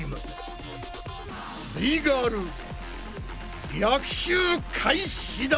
すイガール逆襲開始だ。